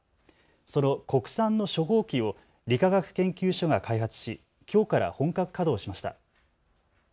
その国産の初号機を理化学研究所が開発しきょうから本格稼働しました。